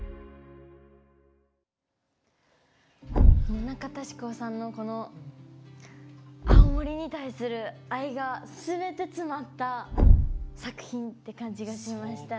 棟方志功さんのこの青森に対する愛が全て詰まった作品って感じがしましたね。